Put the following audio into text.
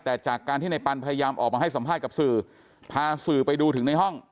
แต่จากการที่ในปันพยายามออกมาให้สัมภาษณ์กับสื่อพาสื่อไปดูถึงในห้อง